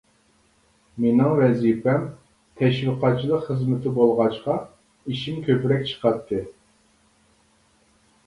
مېنىڭ ۋەزىپەم تەشۋىقاتچىلىق خىزمىتى بولغاچقا ئىشىم كۆپرەك چىقاتتى.